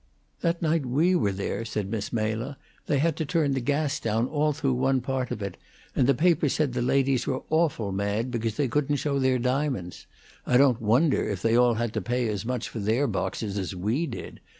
"That night we were there," said Miss Mela, "they had to turn the gas down all through one part of it, and the papers said the ladies were awful mad because they couldn't show their diamonds. I don't wonder, if they all had to pay as much for their boxes as we did.